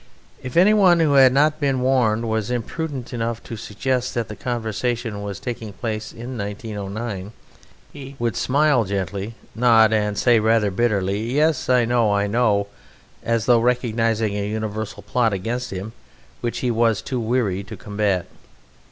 If anyone who had not been warned was imprudent enough to suggest that the conversation was taking place in 1909 would smile gently, nod, and say rather bitterly, "Yes, I know, I know," as though recognizing a universal plot against him which he was too weary to combat.